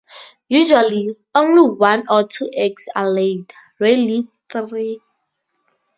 Usually, only one or two eggs are laid, rarely three.